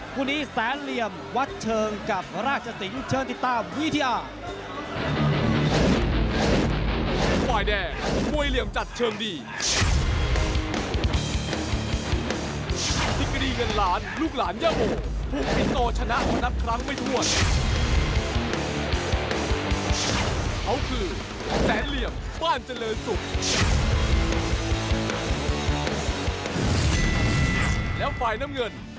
คู่นี้แสนเหลี่ยมวัดเชิงกับราชสิงศ์เชิญติดตามวิทยา